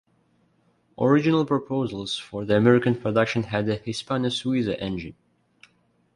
Original proposals for the American production had the Hispano-Suiza engine.